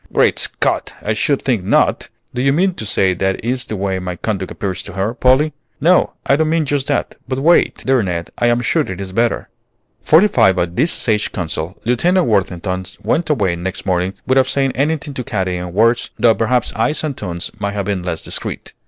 "Great Scott! I should think not! Do you mean to say that is the way my conduct appears to her, Polly?" "No, I don't mean just that; but wait, dear Ned, I am sure it is better." Fortified by this sage counsel, Lieutenant Worthington went away next morning, without saying anything to Katy in words, though perhaps eyes and tones may have been less discreet.